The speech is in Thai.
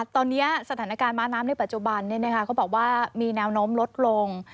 ตอนนี้สถานการณ์ม้าน้ำในปัจจุบันเขาบอกว่ามีแนวโน้มลดลง